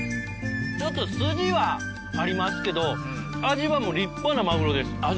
ちょっと筋はありますけど、味はもう立派なマグロです。